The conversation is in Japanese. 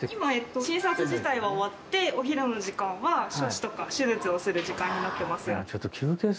診察自体は終わってお昼の時間は処置とか手術の時間になっています。